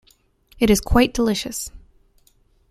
It is quite delicious!